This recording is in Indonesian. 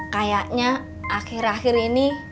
kayaknya akhir akhir ini